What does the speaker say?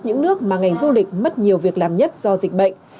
những nước mà ngành du lịch mất nhiều việc làm nhất do dịch bệnh